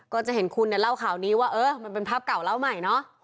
ก็จะเห็นคุณเนี่ยเล่าข่าวนี้ว่าเออมันเป็นภาพเก่าเล่าใหม่เนาะ